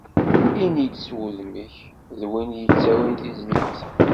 Ini-d s wudem-ik d win d-yettawin tizlit.